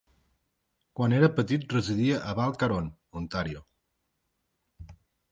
Quan era petit, residia a Val Caron, Ontario.